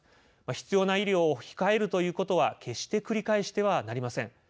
必要な医療を控えるということは決して繰り返してはなりません。